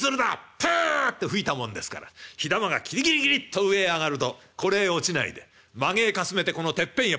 プッて吹いたもんですから火玉がキリキリキリッと上へ上がるとこれへ落ちないでまげへかすめてこのてっぺんへポトッ。